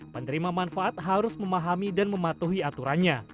penerima manfaat harus memahami dan mematuhi aturannya